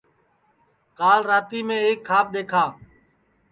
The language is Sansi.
کال راتی میں ایک کھاب دؔیکھا